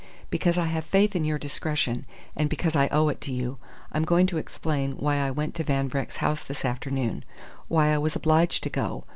Because I have faith in your discretion, and because I owe it to you, I'm going to explain why I went to Van Vreck's house this afternoon why I was obliged to go.